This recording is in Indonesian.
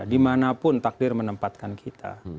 dimanapun takdir menempatkan kita